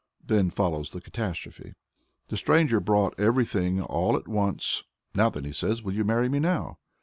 Then follows the catastrophe. The stranger brought her everything, all at once. "Now then," says he, "will you marry me now?"